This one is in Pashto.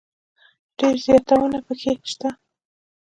ډېر زياتونه پکښي سته.